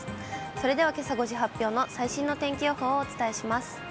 それではけさ５時発表の最新の天気予報をお伝えします。